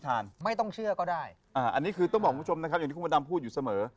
อันนี้คือต้องบอกคุณผู้ชมนะครับอย่างที่คุณพระดำพูดอยู่เสมอ